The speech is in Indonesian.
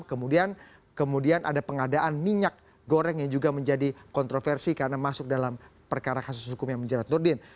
kemudian ada pengadaan minyak goreng yang juga menjadi kontroversi karena masuk dalam perkara kasus hukum yang menjerat nurdin